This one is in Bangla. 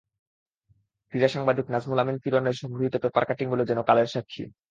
ক্রীড়া সাংবাদিক নাজমুল আমিন কিরণের সংগৃহীত পেপার কাটিংগুলো যেন কালের সাক্ষী।